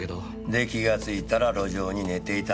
で気がついたら路上に寝ていた？